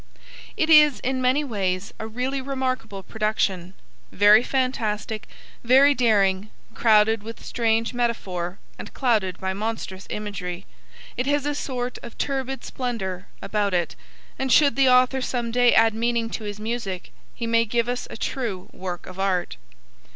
It is in many ways a really remarkable production. Very fantastic, very daring, crowded with strange metaphor and clouded by monstrous imagery, it has a sort of turbid splendour about it, and should the author some day add meaning to his music he may give us a true work of art.